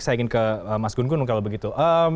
saya ingin ke mas gun gun kalau begitu